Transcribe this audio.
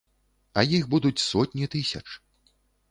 А іх будуць сотні тысяч.